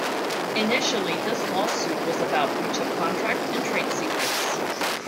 Initially this lawsuit was about breach of contract and trade secrets.